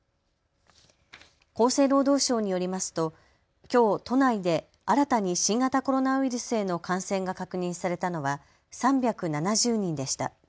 厚生労働省によりますときょう都内で新たに新型コロナウイルスへの感染が確認されたのは３７０人でした。